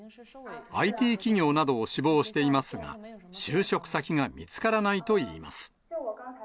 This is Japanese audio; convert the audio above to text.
ＩＴ企業などを志望していますが、就職先が見つからないといいます。